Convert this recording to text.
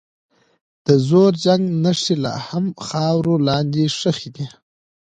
د زوړ جنګ نښې لا هم خاورو لاندې ښخي دي.